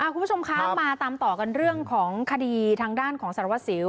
คุณผู้ชมคะมาตามต่อกันเรื่องของคดีทางด้านของสารวัสสิว